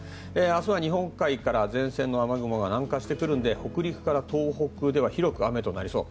明日は日本海から前線の雨雲が南下してくるので北陸から東北では広く雨となりそう。